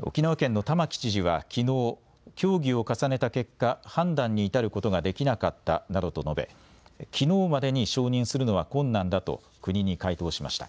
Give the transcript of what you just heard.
沖縄県の玉城知事は、きのう協議を重ねた結果判断に至ることができなかったなどと述べきのうまでに承認するのは困難だと国に回答しました。